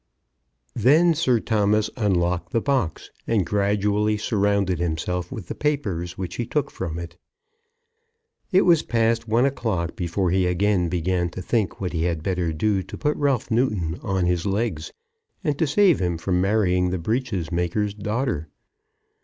Then Sir Thomas unlocked the box, and gradually surrounded himself with the papers which he took from it. It was past one o'clock before he again began to think what he had better do to put Ralph Newton on his legs, and to save him from marrying the breeches maker's daughter.